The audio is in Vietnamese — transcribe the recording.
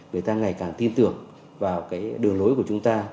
người ta ngày càng tin tưởng vào cái đường lối của chúng ta